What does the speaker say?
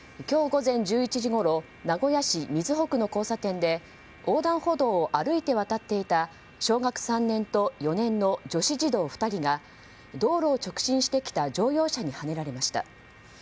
今日午前１１時ごろ名古屋市瑞穂区の交差点で横断歩道を歩いて渡っていた小学３年と４年の女子児童２人が道路を直進してきた乗用車にはねられました。